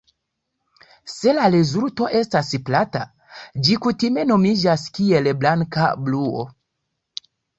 Se la rezulto estas plata, ĝi kutime nomiĝas kiel "blanka bruo".